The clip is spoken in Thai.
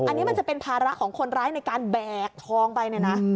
อันนี้มันจะเป็นภาระของคนร้ายในการแบกทองไปเนี่ยนะ